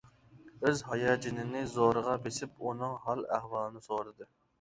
ئۆز ھاياجىنىنى زورىغا بېسىپ ئۇنىڭ ھال-ئەھۋالىنى سورىدى.